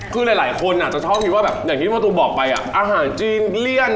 คือหลายคนอาจจะชอบคิดว่าแบบอย่างที่มะตูมบอกไปอาหารจีนเลี่ยน